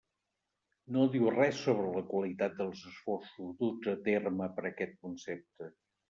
No diu res sobre la qualitat dels esforços duts a terme per aquest concepte.